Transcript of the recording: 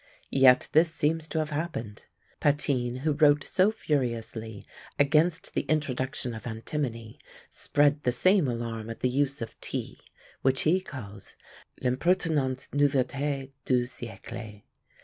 Yet this seems to have happened. Patin, who wrote so furiously against the introduction of antimony, spread the same alarm at the use of tea, which he calls "l'impertinente nouveauté du siÃẀcle."